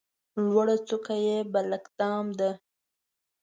لوړه څوکه یې بلک دام ده.